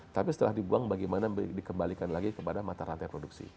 tapi setelah dibuang bagaimana dikembalikan lagi kepada mata rantai produksi